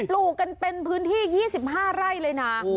ลูกกันเป็นพื้นที่๒๕ไร่เลยนะ